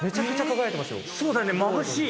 そうだねまぶしい。